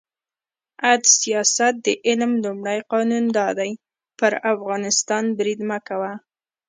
«عد سیاست د علم لومړی قانون دا دی: پر افغانستان برید مه کوه.